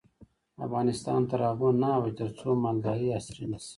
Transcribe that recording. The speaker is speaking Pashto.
افغانستان تر هغو نه ابادیږي، ترڅو مالداري عصري نشي.